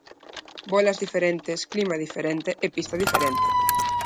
Bolas diferentes, clima diferente e pista diferente.